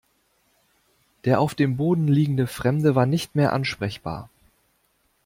Der auf dem Boden liegende Fremde war nicht mehr ansprechbar.